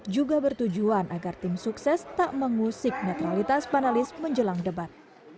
juga bertujuan agar tim sukses tak mengusik netralitas panelis menjelang debat